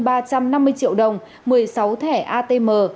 ba trăm năm mươi triệu đồng một mươi sáu thẻ atm